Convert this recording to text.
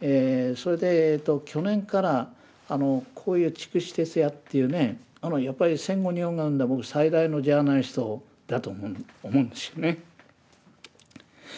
それで去年からこういう筑紫哲也っていうねやっぱり戦後日本が生んだ最大のジャーナリストだと思うんですよね。